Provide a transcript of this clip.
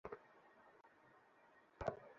প্রশংসা সব তারই প্রাপ্য।